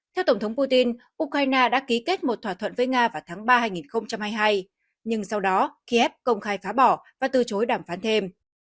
theo tổng thống putin ukraine đã ký kết một thỏa thuận với nga vào tháng ba hai nghìn hai mươi hai nhưng sau đó kiev công khai phá bỏ và từ chối đàm phán thêm